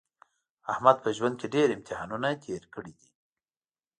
احمد په ژوند کې ډېر امتحانونه تېر کړي دي.